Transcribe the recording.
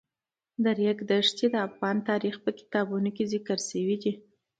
د ریګ دښتې د افغان تاریخ په کتابونو کې ذکر شوی دي.